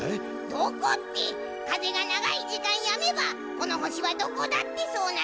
どこってかぜがながいじかんやめばこのほしはどこだってそうなるのよ。